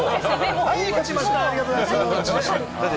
はい勝ちました、ありがとうございます！って。